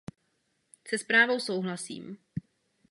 Se zprávou souhlasím.